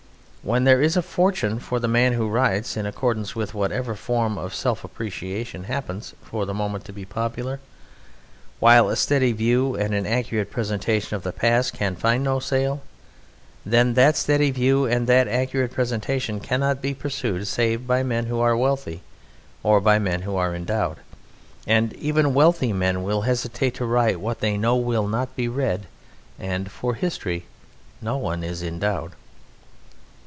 When there is a fortune for the man who writes in accordance with whatever form of self appreciation happens for the moment to be popular, while a steady view and an accurate presentation of the past can find no sale, then that steady view and that accurate presentation cannot be pursued save by men who are wealthy, or by men who are endowed, but even wealthy men will hesitate to write what they know will not be read, and for history no one is endowed.